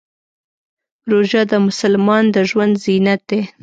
روژه د مسلمان د ژوند زینت دی.